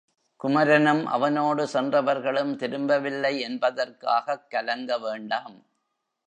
குமரனும் அவனோடு சென்றவர்களும் திரும்பவில்லை என்பதற்காகக் கலங்கவேண்டாம்.